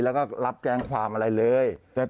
แล้วก็รับแจ้งความอะไรเลย